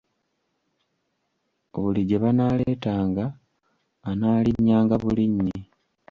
Buli gye banaaleetanga, anaalinnyanga bulinnyi.